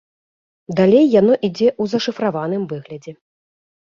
Далей яно ідзе ў зашыфраваным выглядзе.